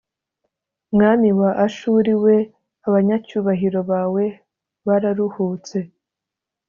mwami wa Ashuri we abanyacyubahiro bawe bararuhutse